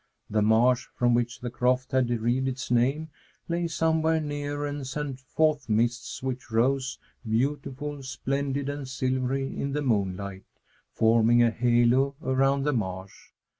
The marsh, from which the croft had derived its name, lay somewhere near and sent forth mists which rose, beautiful, splendid, and silvery, in the moonlight, forming a halo around the marsh.